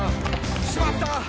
「しまった！